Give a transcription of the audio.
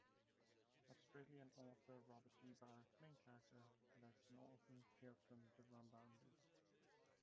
Australian author Robert G Barrett's main character Les Norton hails from Dirranbandi.